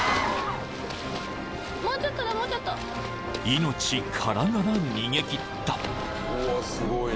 ［命からがら逃げ切った］